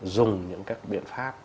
dùng những cái biện pháp